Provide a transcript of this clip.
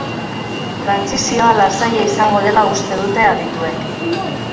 Trantsizioa lasaia izango dela uste dute adituek.